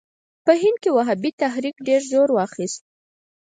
په هند کې وهابي تحریک ډېر زور واخیست.